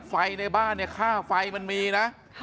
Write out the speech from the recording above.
ในบ้านเนี่ยค่าไฟมันมีนะ